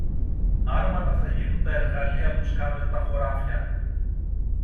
Άρματα θα γίνουν τα εργαλεία που σκάβετε τα χωράφια!